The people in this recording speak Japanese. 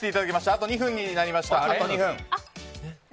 あと２分になりました。